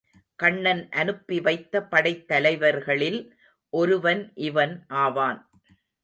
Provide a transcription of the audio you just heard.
கண்ணன் அனுப்பி வைத்த படைத்தலைவர்களில் ஒருவன் இவன் ஆவான்.